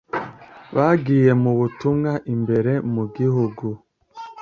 bagiye mu butumwa imbere mu gihugu